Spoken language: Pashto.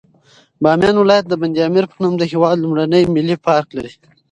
بامیان ولایت د بند امیر په نوم د هېواد لومړنی ملي پارک لري.